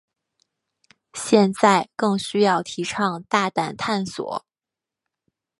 现在更需要提倡大胆探索。